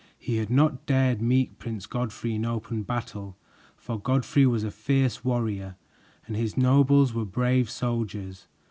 He had not dared meet Prince Godfrey in open battle, for Godfrey was a fierce warrior and his nobles were brave soldiers.